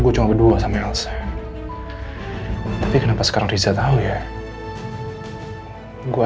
gak ada siapa siapa